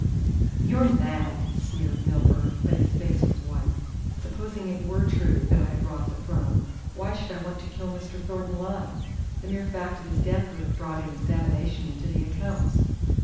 "You're mad," sneered Milburgh, but his face was white. "Supposing it were true that I had robbed the firm, why should I want to kill Mr. Thornton Lyne? The mere fact of his death would have brought an examination into the accounts."